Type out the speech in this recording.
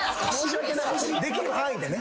できる範囲でね。